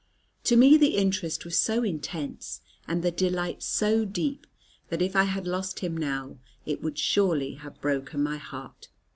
To me the interest was so intense, and the delight so deep, that if I had lost him now, it would surely have broken my heart.